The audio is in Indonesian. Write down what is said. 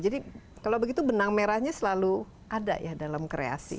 jadi kalau begitu benang merahnya selalu ada ya dalam kreasi